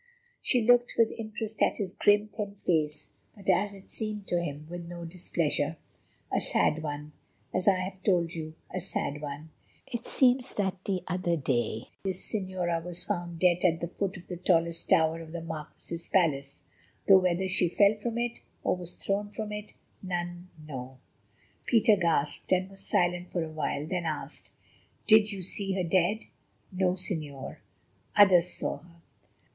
She looked with interest at his grim, thin face, but, as it seemed to him, with no displeasure. "A sad one. As I have told you, a sad one. It seems that the other day this señora was found dead at the foot of the tallest tower of the marquis's palace, though whether she fell from it, or was thrown from it, none know." Peter gasped, and was silent for a while; then asked: "Did you see her dead?" "No, Señor; others saw her."